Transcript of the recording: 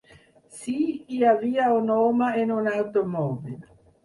Sí, hi havia un home en un automòbil.